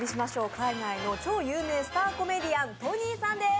海外の超有名スターコメディアントニーさんです。